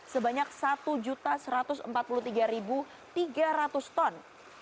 sebanyak satu satu ratus empat puluh tiga tiga ratus ton